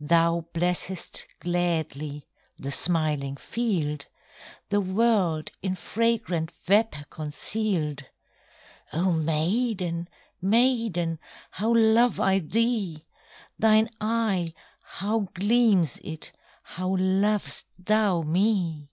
Thou blessest gladly The smiling field, The world in fragrant Vapour conceal'd. Oh maiden, maiden, How love I thee! Thine eye, how gleams it! How lov'st thou me!